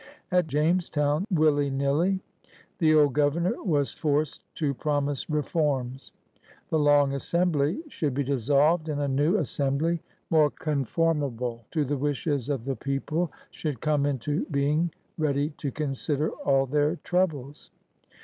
At Jamestown, willy nilly, the old Governor was forced to promise reforms. The Long Assembly should be dissolved and a new Assembly, more conformable to the wishes of the people, should come into being ready to consider all their troubles.